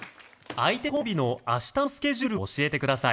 相手コンビの明日のスケジュールを教えてください